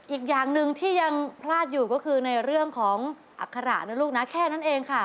อีกอย่างหนึ่งที่ยังพลาดอยู่ก็คือในเรื่องของอัคระนะลูกนะแค่นั้นเองค่ะ